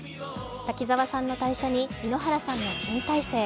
滝沢さんの退社に井ノ原さんの新体制。